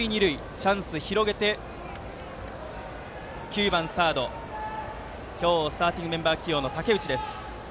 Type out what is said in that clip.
チャンスを広げて９番、サード今日スターティングメンバー起用竹内です。